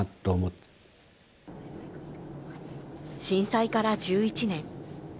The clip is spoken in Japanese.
震災から１１年。